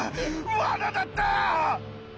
わなだった！